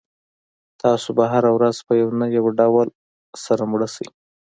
تاسو به هره ورځ په یو نه یو ډول سره مړ شئ.